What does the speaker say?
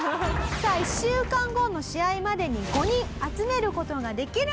さあ１週間後の試合までに５人集める事ができるのか？